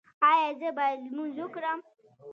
ایا زه باید لمونځ وکړم؟